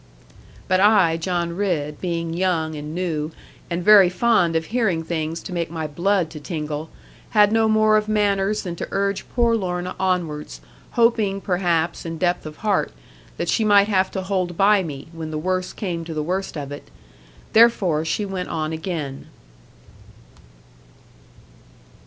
But I, John Ridd, being young and new, and very fond of hearing things to make my blood to tingle, had no more of manners than to urge poor Lorna onwards, hoping, perhaps, in depth of heart, that she might have to hold by me, when the worst came to the worst of it. Therefore she went on again.